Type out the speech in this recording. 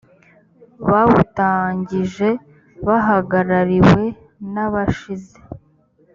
bawutangije bahagarariwe n abashize